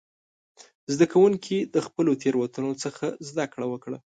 زده کوونکي د خپلو تېروتنو څخه زده کړه وکړه.